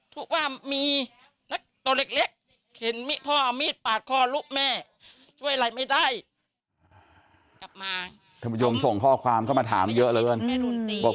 ทุกครั้งว่ามีตัวเล็กเล็ก